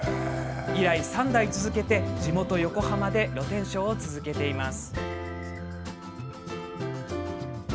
以来３代続けて地元横浜で露店商を続けています。